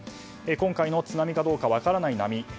今回の津波かどうか分からない波。